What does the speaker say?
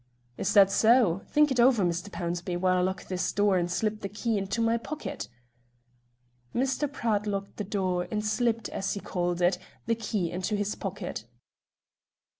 "Is that so? Think it over, Mr. Pownceby, while I lock this door and slip the key into my pocket." Mr. Pratt locked the door and "slipped," as he called it, the key into his pocket.